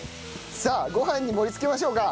さあご飯に盛り付けましょうか。